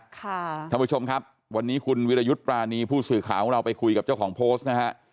ท่านผู้ชมครับวันนี้คุณวิรยุทธ์ปรานีผู้สื่อข่าวของเราไปคุยกับเจ้าของโพสต์นะฮะ